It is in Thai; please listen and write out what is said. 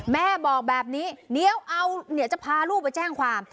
แม่บอกแบบนี้เนี๊ยวเอาไปพาลูกแจ้งความ